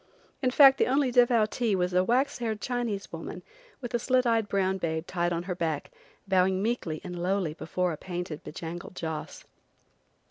In fact, the only devoutee was a waxed haired Chinese woman, with a slit eyed brown babe tied on her back, bowing meekly and lowly before a painted, be bangled joss.